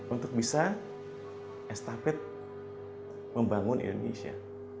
untuk bisa estafet membangun indonesia